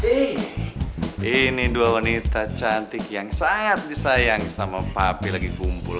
ini dua wanita cantik yang sangat disayang sama papi lagi kumpul